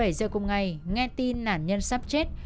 một mươi bảy h cùng ngày nghe tin nạn nhân sắp chết